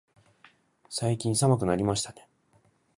最近寒くなりましたね。